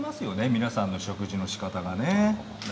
皆さんの食事のしかたがね。